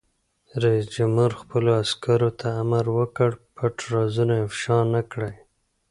رئیس جمهور خپلو عسکرو ته امر وکړ؛ پټ رازونه افشا نه کړئ!